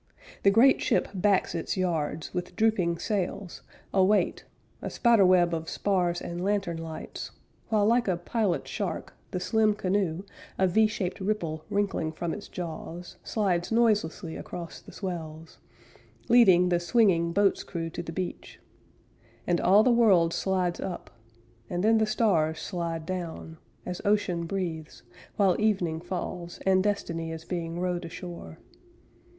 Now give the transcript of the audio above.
The great ship backs its yards, With drooping sails, await, A spider web of spars and lantern lights, While like a pilot shark, the slim canoe, A V shaped ripple wrinkling from its jaws, Slides noiselessly across the swells, Leading the swinging boat's crew to the beach; And all the world slides up And then the stars slide down As ocean breathes; while evening falls, And destiny is being rowed ashore.